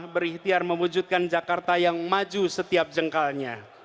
berikhtiar mewujudkan jakarta yang maju setiap jengkalnya